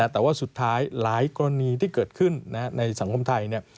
แต่ว่าสุดท้ายหลายกรณีที่เกิดขึ้นในสังคมไทย